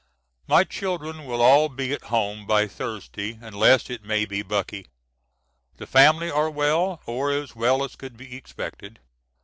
My children will all be at home by Thursday, unless it may be Bucky. The family are well, or as well as could be expected.